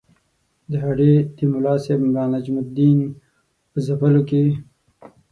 د هډې د ملاصاحب ملا نجم الدین په ځپلو کې.